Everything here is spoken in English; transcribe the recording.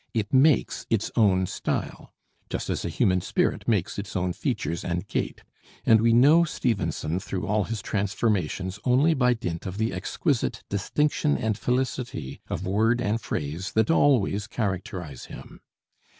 It makes its own style, just as a human spirit makes its own features and gait; and we know Stevenson through all his transformations only by dint of the exquisite distinction and felicity of word and phrase that always characterize him.